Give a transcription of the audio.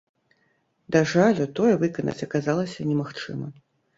Да жалю, тое выканаць аказалася немагчыма.